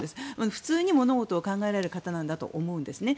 普通に物事を考えられる方なんだと思うんですね。